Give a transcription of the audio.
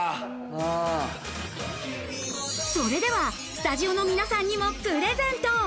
それではスタジオの皆さんにもプレゼント。